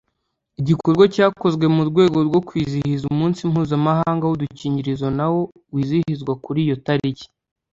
Igikorwa cyakozwe mu rwego rwo kwizihiza umunsi mpuzamahanga w’udukingirizo nawo wizihizwa kuri iyo tariki